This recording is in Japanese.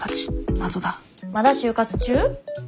謎だまだ就活中？